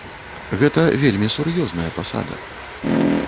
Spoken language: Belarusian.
Гэта вельмі сур'ёзная пасада.